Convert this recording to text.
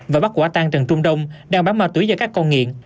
và bắt quả tang trần trung đông đang bán ma túy cho các con nghiện